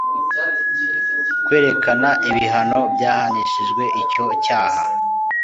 kwerekana ibihano byahanishijwe icyo cyaha